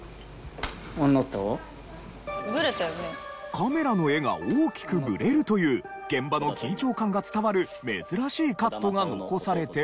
カメラの画が大きくブレるという現場の緊張感が伝わる珍しいカットが残されており。